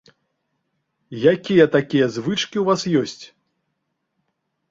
Якія такія звычкі ў вас ёсць?